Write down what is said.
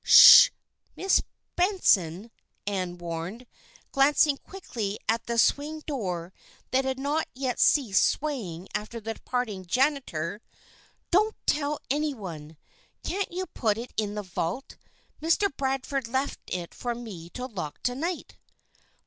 "Sh! Miss Benson!" Ann warned, glancing quickly at the swing door that had not yet ceased swaying after the departing janitor. "Don't tell any one. Can't you put it in the vault? Mr. Bradford left it for me to lock to night."